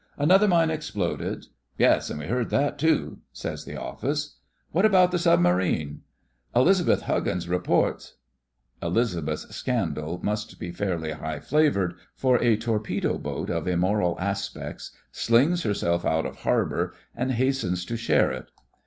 "Another mine exploded!" "Yes, and we heard that too," says the Office. " What about the submarine? "" Elizabeth Huggins reports ..." THE FRINGES OF THE FLEET 31 Elizabeth's scandal must be fairly high flavoured, for a torpedo boat of immoral aspects slings herself out of harbour and hastens to share it.